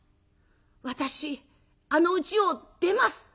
私あのうちを出ます」。